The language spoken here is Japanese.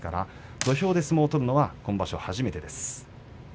土俵で相撲を取るのは今場所初めてです。